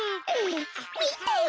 みてよ